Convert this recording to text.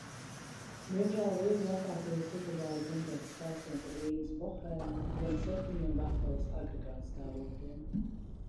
Diemžēl viegla apātija saglabājās gan pēc stāstiem par Vīnes bohēmu, gan septiņiem vafeles agregātstāvokļiem.